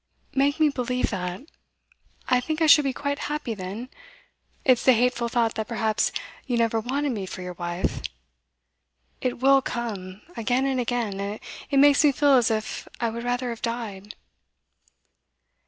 'Make me believe that. I think I should be quite happy then. It's the hateful thought that perhaps you never wanted me for your wife; it will come, again and again, and it makes me feel as if I would rather have died.